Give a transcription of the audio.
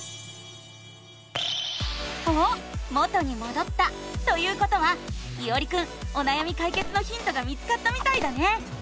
おっ元にもどったということはいおりくんおなやみかいけつのヒントが見つかったみたいだね！